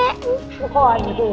kok ade itu